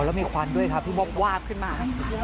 แล้วมีควันด้วยครับที่วาบวาบขึ้นมา